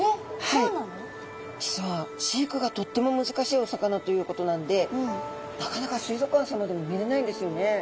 実は飼育がとっても難しいお魚ということなんでなかなか水族館さまでも見れないんですよね。